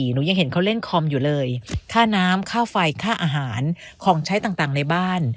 หนูยังเห็นเขาเล่นคอมอยู่เลยค่าน้ำค่าไฟค่าอาหารของใช้ต่างในบ้าน